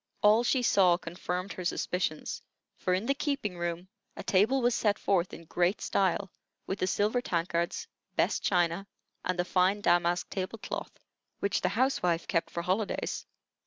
All she saw confirmed her suspicions; for in the keeping room a table was set forth in great style, with the silver tankards, best china, and the fine damask table cloth, which the housewife kept for holidays.